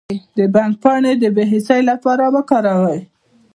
د بنګ پاڼې د بې حسی لپاره وکاروئ